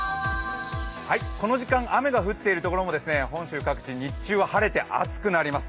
この時間、雨が降っているところも、本州各地、日中は晴れて暑くなります。